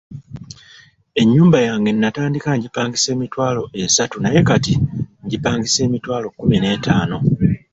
Ennyumba yange natandika ngipangisa emitwalo esatu naye kati ngipangisa emitwalo kkumi n'etaano.